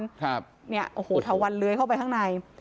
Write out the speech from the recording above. เถาวันเลื้อยเข้าไปข้างใน